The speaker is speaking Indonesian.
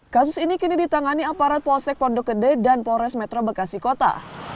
kasus ini kini ditangani aparat polsek pondok gede dan polres metro bekasi kota